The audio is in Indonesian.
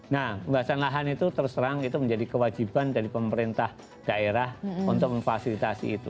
nah pembahasan lahan itu terserang itu menjadi kewajiban dari pemerintah daerah untuk memfasilitasi itu